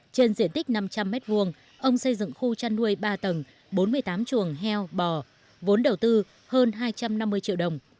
trên diện tích năm trăm linh m hai ông xây dựng khu chăn nuôi ba tầng bốn mươi tám chuồng heo bò vốn đầu tư hơn hai trăm năm mươi triệu đồng